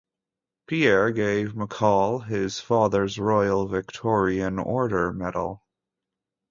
Pierre gave McCall his father's Royal Victorian Order medal.